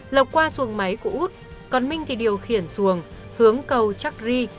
lộc qua xuồng máy của út còn minh thì điều khiển xuồng hướng cầu chakri